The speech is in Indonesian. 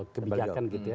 kebijakan gitu ya